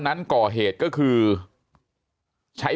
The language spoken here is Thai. มีความรู้สึกว่า